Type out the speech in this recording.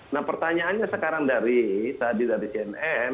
nah pertanyaannya sekarang dari tadi dari cnn